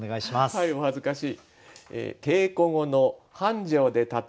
はいお恥ずかしい。